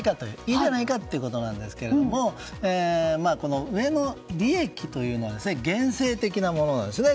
いいじゃないかってことですが上の利益というのは現世的なものなんですね。